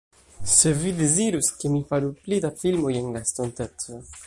se vi dezirus, ke mi faru pli da filmoj en la estonteco